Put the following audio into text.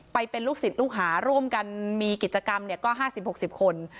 ไปเป็นลูกศิษย์ลูกหาร่วมกันมีกิจกรรมเนี่ยก็ห้าสิบหกสิบคน